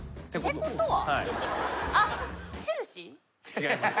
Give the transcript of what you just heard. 違います。